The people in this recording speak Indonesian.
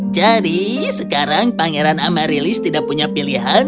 jadi sekarang pangeran amarilis tidak punya pilihan